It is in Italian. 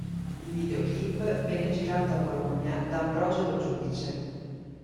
Il videoclip venne girato a Bologna da Ambrogio Lo Giudice.